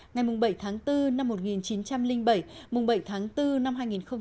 ngày bảy tháng bốn năm một nghìn chín trăm linh bảy bảy tháng bốn năm hai nghìn hai mươi